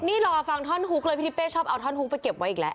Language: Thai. นี่รอฟังท่อนฮุกเลยพี่ทิเป้ชอบเอาท่อนฮุกไปเก็บไว้อีกแล้ว